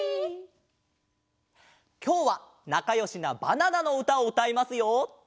きょうはなかよしなバナナのうたをうたいますよ。